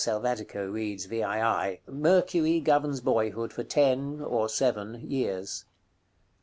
(Selvatico reads VII.) "Mercury governs boyhood for ten (or seven) years."